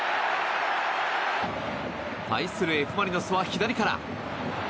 対するＦ・マリノスは左から。